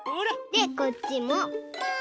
でこっちもポン！